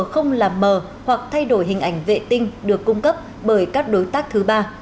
không làm mờ hoặc thay đổi hình ảnh vệ tinh được cung cấp bởi các đối tác thứ ba